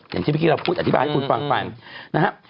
อย่างที่พี่เราพูดอธิบายให้คุณฟังฟังนะครับ